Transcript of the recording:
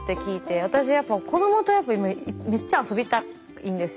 私やっぱ子どもとめっちゃ遊びたいんですよ。